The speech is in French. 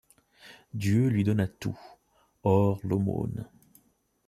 Dieu lui donna tout, hors l'aumône